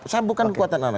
saya bukan kekuatan anak